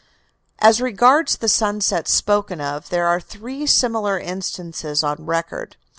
As regards the sunsets spoken of, there are three similar instances on record.